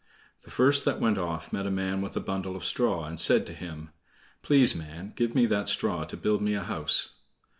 The first that went off met a man with a bundle of straw, and said to him: "Please, man, give me that straw to build me a house."